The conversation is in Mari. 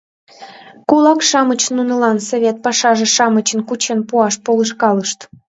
Кулак-шамыч нунылан совет пашазе-шамычым кучен пуаш полышкалышт.